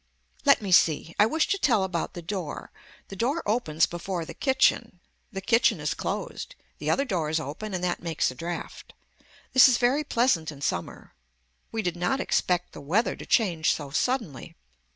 Let me see. I wish to tell about the door. The door opens before the kitchen. The kitchen is closed The other door is open and that makes a draft. This is very pleasant in summer. We did not expect the weather to change so suddenly.